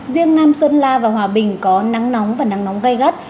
riêng nam sơn la và hòa bình có nắng nóng và nắng nóng gây gắt